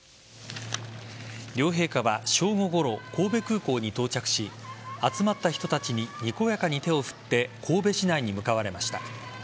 両陛下は正午ごろ神戸空港に到着し集まった人たちににこやかに手を振って神戸市内に向かわれました。